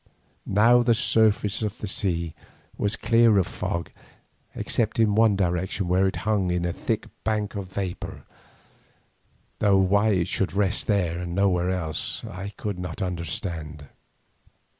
Now the surface of the sea was clear of fog except in one direction, where it hung in a thick bank of vapour, though why it should rest there and nowhere else, I could not understand.